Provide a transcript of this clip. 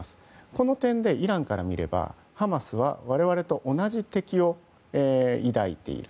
この点でイランから見ればハマスは我々と同じ敵を抱いている。